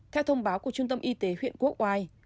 theo thông báo của trung tâm y tế huyện quốc oai